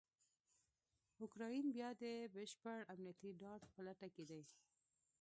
اوکرایین بیا دبشپړامنیتي ډاډ په لټه کې دی.